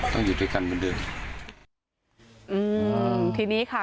อยู่ด้วยกันเหมือนเดิมอืมทีนี้ค่ะ